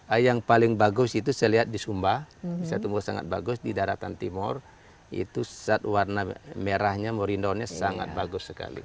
air yang paling bagus itu saya lihat di sumba bisa tumbuh sangat bagus di daratan timur itu zat warna merahnya morindonya sangat bagus sekali